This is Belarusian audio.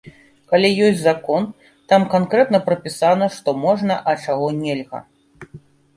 Калі ёсць закон, там канкрэтна прапісана што можна, а чаго нельга.